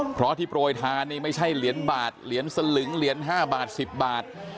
เพราะที่โปรยทานนี่ไม่ใช่เหรียญบาทเหรียญสลึงเหรียญ๕บาท๑๐บาท